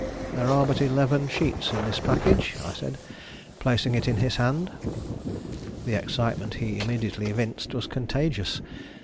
"There are but eleven sheets in this package," I said, placing it in his hand. The excitement he immediately evinced was contagious.